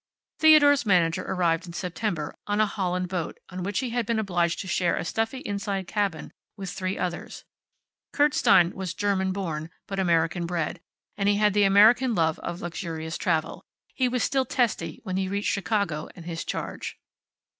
Theodore's manager arrived in September, on a Holland boat, on which he had been obliged to share a stuffy inside cabin with three others. Kurt Stein was German born, but American bred, and he had the American love of luxurious travel. He was still testy when he reached Chicago and his charge.